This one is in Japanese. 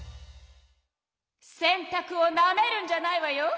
洗たくをなめるんじゃないわよ！